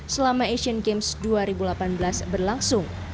selama asian games dua ribu delapan belas berlangsung